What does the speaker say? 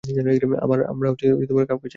আমার কাউকে চাই না।